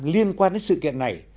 liên quan đến sự kiện này